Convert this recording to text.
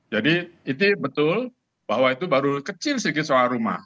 jadi itu betul bahwa itu baru kecil sedikit soal rumah